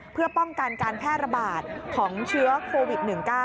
เพื่อป้องกันการแพร่ระบาดของเชื้อโควิด๑๙